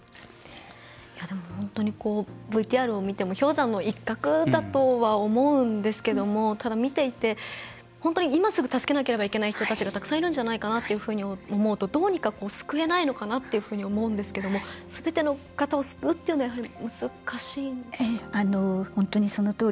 本当にＶＴＲを見ても氷山の一角だとは思うんですがただ見ていて、本当に今すぐ助けなければいけない人たちがたくさんいるんじゃないかなというふうに思うとどうにか救えないのかなって思うんですけどもすべての方を救うっていうのはやはり難しいんですか？